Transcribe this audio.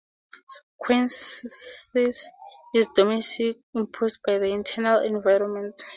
"Quiescence" is dormancy imposed by the external environment.